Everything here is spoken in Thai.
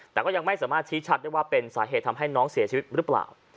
แต่ก็ยังไม่สามารถชี้ชัดได้ว่าเป็นสาเหตุทำให้น้องเสียชีวิตหรือเปล่า